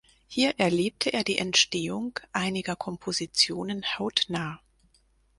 Hier erlebte er die Entstehung einiger Kompositionen hautnah.